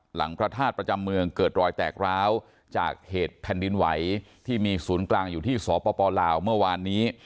พระธาตุประจำเมืองเกิดรอยแตกร้าวจากเหตุแผ่นดินไหวที่มีศูนย์กลางอยู่ที่สปลาวเมื่อวานนี้